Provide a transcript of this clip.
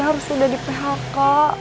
harus sudah di phk